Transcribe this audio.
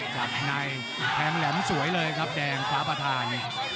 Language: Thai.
จับในแทงแหลมสวยเลยครับแดงฟ้าประธาน